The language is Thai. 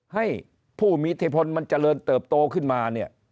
ให้ผู้มีอิทธิพลมันเจริญเติบโตขึ้นมาเนี่ย